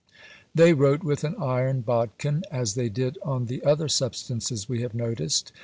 They wrote with an iron bodkin, as they did on the other substances we have noticed.